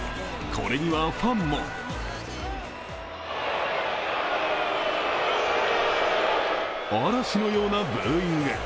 これにはファンも嵐のようなブーイング。